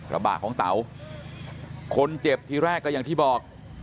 ระบะของเต๋าคนเจ็บทีแรกก็อย่างที่บอก